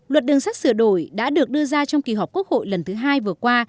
luật đường sắt sửa đổi đã được đưa ra trong kỳ họp quốc hội lần thứ hai vừa qua